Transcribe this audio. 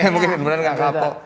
mungkin benar benar enggak kapok